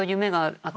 あっ